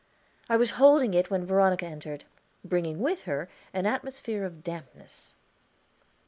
I was holding it when Veronica entered, bringing with her an atmosphere of dampness.